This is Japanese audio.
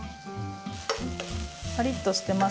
パリッとしてますね。